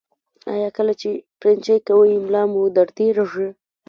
ایا کله چې پرنجی کوئ ملا مو دردیږي؟